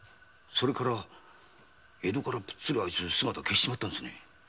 それから江戸からプッツリ姿を消してしまったんですね。